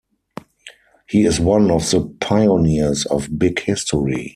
He is one of the pioneers of big history.